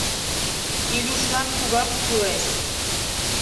Илюшлан тугак кӱлеш.